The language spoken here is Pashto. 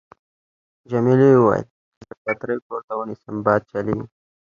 جميلې وويل:: زه به چترۍ پورته ونیسم، باد چلېږي.